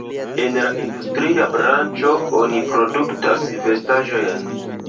En la industria branĉo oni produktas vestaĵojn.